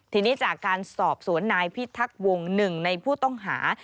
ทีนี้จากการสอบสวนนายพี่ทักวง๑ในผู้ต้องหา